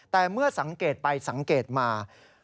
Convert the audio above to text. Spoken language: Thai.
แต่เมื่อสังเกตไปสังเกตมา